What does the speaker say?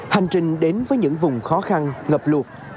hành trình đến với những vùng khó khăn ngập lụt